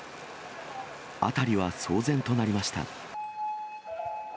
辺りは騒然となりました。